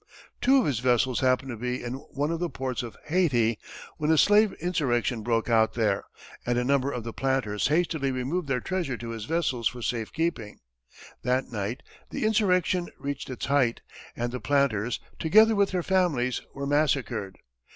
Two of his vessels happened to be in one of the ports of Hayti, when a slave insurrection broke out there, and a number of the planters hastily removed their treasure to his vessels for safe keeping. That night, the insurrection reached its height, and the planters, together with their families, were massacred.